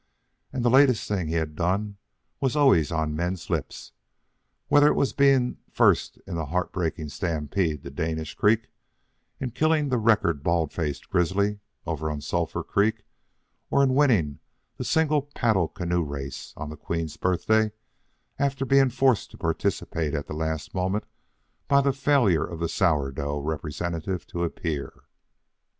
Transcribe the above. And the latest thing he had done was always on men's lips, whether it was being first in the heartbreaking stampede to Danish Creek, in killing the record baldface grizzly over on Sulphur Creek, or in winning the single paddle canoe race on the Queen's Birthday, after being forced to participate at the last moment by the failure of the sourdough representative to appear.